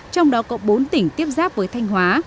trong đó có bốn tỉnh tiếp giáp với thanh hóa